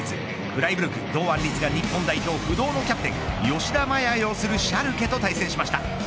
フライブルク、堂安律が日本代表不動のキャプテン吉田麻也を擁するシャルケと対戦しました。